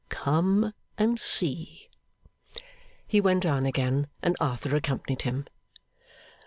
Come and see.' He went on again, and Arthur accompanied him.